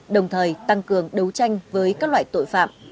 đồng thời tăng cường đấu tranh với các loại tội phạm